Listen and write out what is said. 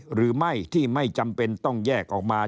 หรือไม่ที่ไม่จำเป็นต้องแยกออกมา